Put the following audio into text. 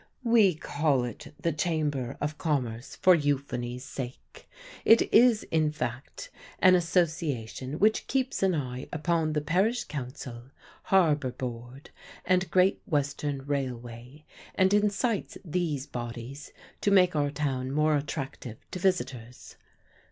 We call it the "Chamber of Commerce" for euphony's sake. It is in fact an association which keeps an eye upon the Parish Council, Harbour Board, and Great Western Railway, and incites these bodies to make our town more attractive to visitors.